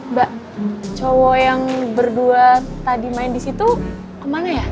mbak cowok yang berdua tadi main disitu kemana ya